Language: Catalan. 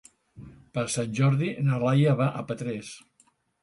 Per Sant Jordi na Laia va a Petrés.